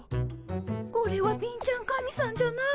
これは貧ちゃん神さんじゃなくて。